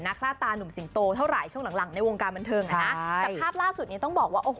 หนักล้าตาหนุ่มสิงโตเท่าหลายช่องหลังในวงการมันเทิงแต่ภาพล่าสุดนี้ต้องบอกว่า